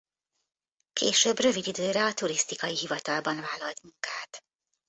Később rövid időre a Turisztikai Hivatalban vállalt munkát.